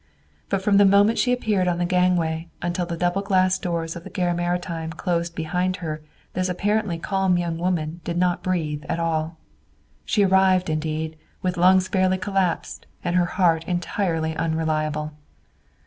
But from the moment she appeared on the gangway until the double glass doors of the Gare Maritime closed behind her this apparently calm young woman did not breathe at all. She arrived, indeed, with lungs fairly collapsed and her heart entirely unreliable.